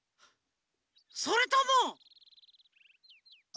それとも。